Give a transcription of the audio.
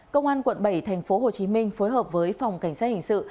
công an quận bảy thành phố hồ chí minh phối hợp với phòng cảnh sát hình sự